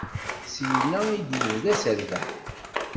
Syinna i d-yebda aserbeḥ.